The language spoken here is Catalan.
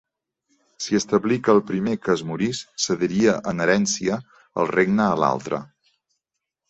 S'hi establí que el primer que es morís cediria en herència el regne a l'altre.